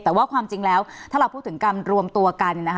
แต่ว่าความจริงแล้วถ้าเราพูดถึงการรวมตัวกัน